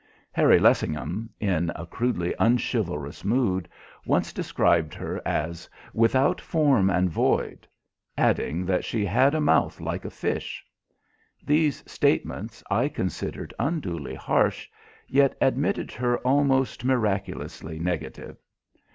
Harry Lessingham, in a crudely unchivalrous mood, once described her as "without form and void," adding that she "had a mouth like a fish." These statements I considered unduly harsh, yet admitted her almost miraculously negative.